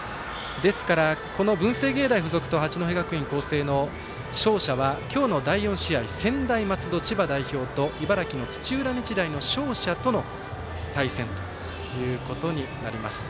ですから、この文星芸大付属と八戸学院光星の勝者は今日の第４試合専大松戸、千葉代表と茨城の土浦日大の勝者との対戦ということになります。